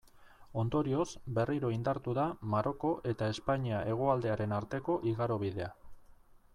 Ondorioz, berriro indartu da Maroko eta Espainia hegoaldearen arteko igarobidea.